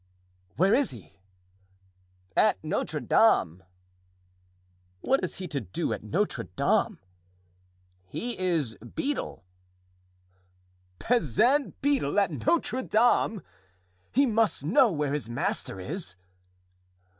"Where is he?" "At Notre Dame." "What has he to do at Notre Dame?" "He is beadle." "Bazin beadle at Notre Dame! He must know where his master is!"